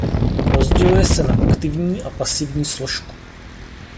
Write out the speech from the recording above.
Rozděluje se na aktivní a pasivní složku.